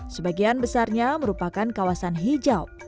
sebagian besarnya merupakan kawasan hijau